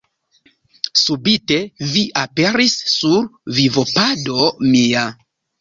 Subite vi aperis sur vivopado mia.